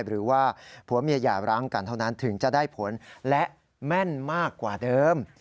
หรือว่าผัวเมียอย่าร้างกันเท่านั้นถึงจะได้ผลและแม่นมากกว่าเดิม